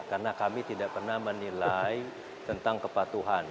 karena kami tidak pernah menilai tentang kepatuhan